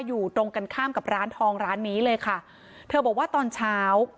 อยู่ตรงกันข้ามกับร้านทองร้านนี้เลยค่ะเธอบอกว่าตอนเช้า